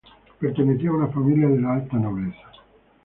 Perteneció a una familia de la alta nobleza.